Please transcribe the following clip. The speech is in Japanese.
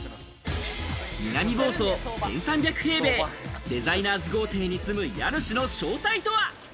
南房総、１３００平米デザイナーズ豪邸に住む家主の正体とは？